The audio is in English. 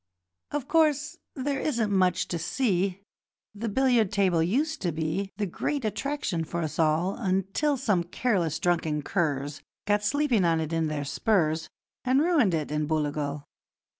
'Of course, there isn't much to see The billiard table used to be The great attraction for us all, Until some careless, drunken curs Got sleeping on it in their spurs, And ruined it, in Booligal.